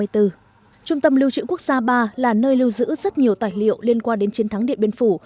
trung tâm lưu trữ quốc gia ba là nơi lưu giữ rất nhiều tài liệu liên quan đến chiến thắng điện biên phủ